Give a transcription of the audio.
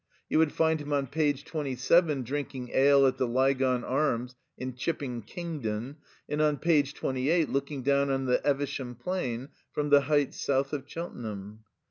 You would find him on page twenty seven drinking ale at the Lygon Arms in Chipping Kingdon, and on page twenty eight looking down on the Evesham plain from the heights south of Cheltenham.